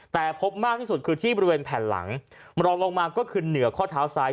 แต่พบมากที่สุดคือที่บริเวณแผ่นหลังรองลงมาก็คือเหนือข้อเท้าซ้าย